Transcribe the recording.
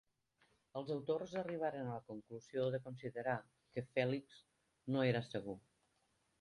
Els autors arribaren a la conclusió de considerar que Phelix no era segur.